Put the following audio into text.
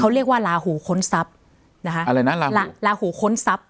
เขาเรียกว่าลาหูค้นทรัพย์นะคะอะไรนะลาลาหูค้นทรัพย